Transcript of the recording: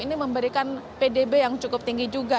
ini memberikan pdb yang cukup tinggi juga